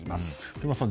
木村さん